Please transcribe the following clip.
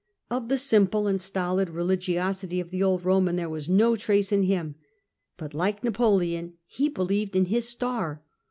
Of the simple and stolid religiosity of the old Eoman there was no trace in him: but, like Napoleon, he believed in his star.